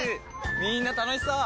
みんな楽しそう！